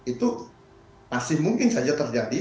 itu masih mungkin saja terjadi